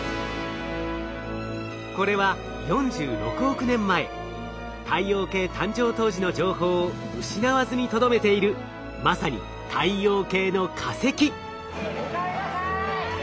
これは４６億年前太陽系誕生当時の情報を失わずにとどめているまさにおかえりなさい！